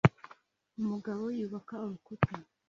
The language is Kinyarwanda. Umugabo yubaka urukuta